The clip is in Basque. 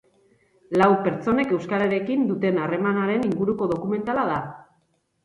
Lau pertsonek euskararekin duten harremanaren inguruko dokumentala da.